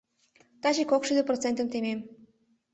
Таче кок шӱдӧ процентым темем.